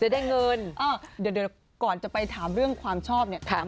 เดี๋ยวก่อนจะไปถามเรื่องความชอบ